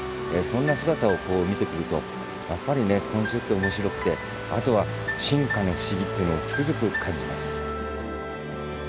そんな姿を見てくるとやっぱりね昆虫って面白くてあとは進化の不思議っていうのをつくづく感じます。